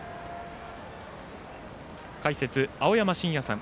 解説は青山眞也さん。